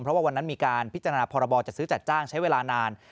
เพราะว่าวันนั้นมีการพิจารณาพรบจัดซื้อจัดจ้างใช้เวลานาน